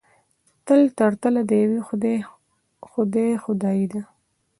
تل تر تله د یوه خدای خدایي ده.